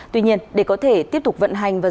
tuy nhiên để có thể tiếp tục vận hành